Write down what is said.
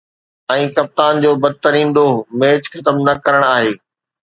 ۽ ڪپتان جو بدترين ڏوهه“ ميچ ختم نه ڪرڻ آهي